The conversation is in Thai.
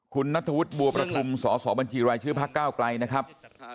คุณนัทธวุฒิบัวประทุมสสบัญชีรายชื่อพักก้าวไกลนะครับ